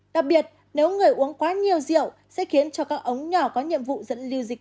đặc biệt nếu người uống quá nhiều rượu sẽ khiến cho các ống nhỏ có nhiệm vụ dẫn lưu dịch